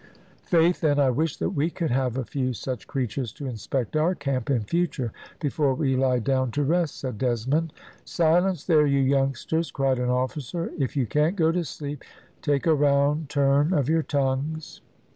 "Faith, then, I wish that we could have a few such creatures to inspect our camp in future before we lie down to rest," said Desmond. "Silence there, you youngsters," cried an officer; "if you can't go to sleep, take a round turn of your tongues."